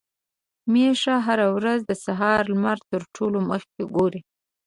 ميښه هره ورځ د سهار لمر تر ټولو مخکې ګوري.